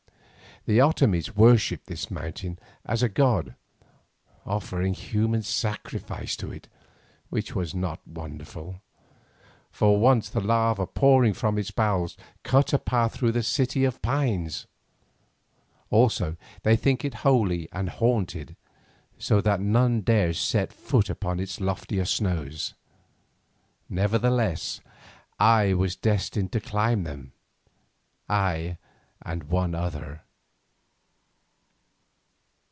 The Otomies worshipped this mountain as a god, offering human sacrifice to it, which was not wonderful, for once the lava pouring from its bowels cut a path through the City of Pines. Also they think it holy and haunted, so that none dare set foot upon its loftier snows. Nevertheless I was destined to climb them—I and one other.